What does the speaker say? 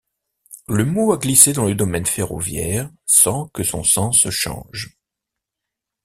Le mot a glissé dans le domaine ferroviaire sans que son sens change.